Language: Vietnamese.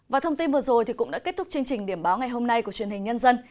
và thông tin vừa rồi cũng đã kết thúc chương trình điểm báo ngày hôm nay của truyền hình nhân dân